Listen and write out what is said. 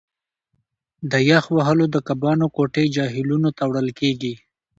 د یخ وهلو د کبانو کوټې جهیلونو ته وړل کیږي